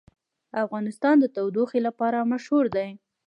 افغانستان د تودوخه لپاره مشهور دی.